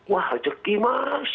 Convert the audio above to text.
wah cekik mas